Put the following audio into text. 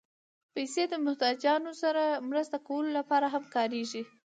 پېسې د محتاجانو سره مرسته کولو لپاره هم کارېږي.